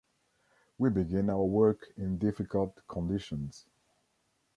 We begin our work in difficult conditions.